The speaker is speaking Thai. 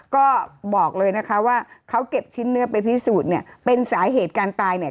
ก็บอกเลยนะคะว่าเขาเก็บชิ้นเนื้อไปพิสูจน์เนี่ยเป็นสาเหตุการตายเนี่ย